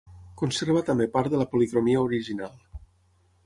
Conserva també part de la policromia original.